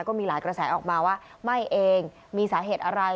ก็มีหลายกระแสออกมาว่าไหม้เองมีสาเหตุอะไร